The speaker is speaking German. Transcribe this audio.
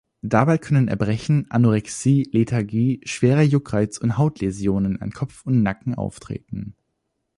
Dabei können Erbrechen, Anorexie, Lethargie, schwerer Juckreiz und Hautläsionen an Kopf und Nacken auftreten.